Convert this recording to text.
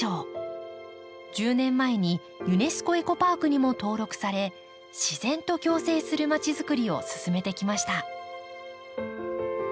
１０年前にユネスコエコパークにも登録され自然と共生するまちづくりを進めてきました。